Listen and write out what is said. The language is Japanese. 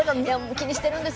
気にしているんです。